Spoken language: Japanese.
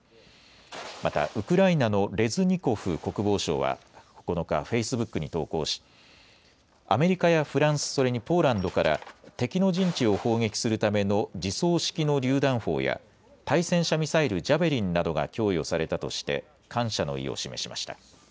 またウクライナのレズニコフ国防相は９日、フェイスブックに投稿しアメリカやフランス、それにポーランドから敵の陣地を砲撃するための自走式のりゅう弾砲や対戦車ミサイルジャベリンなどが供与されたとして感謝の意を示しました。